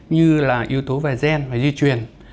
như là yếu tố về gen và di truyền